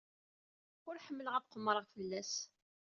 Ur ḥemmleɣ ad qemmreɣ fell-as.